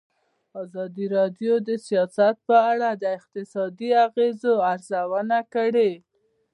ازادي راډیو د سیاست په اړه د اقتصادي اغېزو ارزونه کړې.